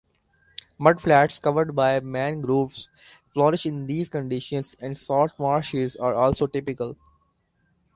Mudflats covered by mangroves flourish in these conditions, and salt marshes are also typical.